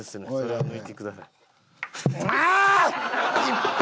はい。